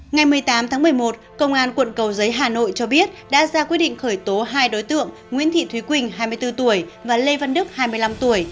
ngày một mươi tám tháng một mươi một công an quận cầu giấy hà nội cho biết đã ra quyết định khởi tố hai đối tượng nguyễn thị thúy quỳnh hai mươi bốn tuổi và lê văn đức hai mươi năm tuổi